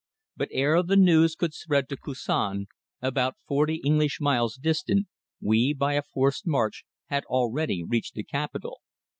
But ere the news could spread to Koussan, about forty English miles distant, we, by a forced march, had already reached the capital.